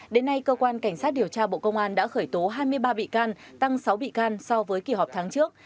đến nay cơ quan cảnh sát điều tra bộ công an đã khởi tố hai mươi ba bị can tăng sáu bị can so với kỳ họp tháng trước